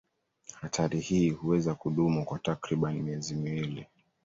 Hatari hii huweza kudumu kwa takriban miezi miwili.